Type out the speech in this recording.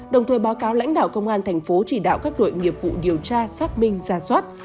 đồng thời báo cáo lãnh đạo công an thành phố chỉ đạo các đội nghiệp vụ điều tra xác minh ra soát